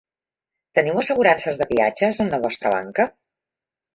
Teniu assegurances de viatges en la vostra banca?